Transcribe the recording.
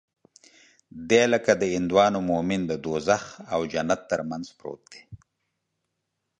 دى لکه د هندوانو مومن د دوږخ او جنت تر منځ پروت دى.